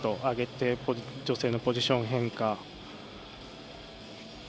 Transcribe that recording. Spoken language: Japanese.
上げて女性のポジション変化。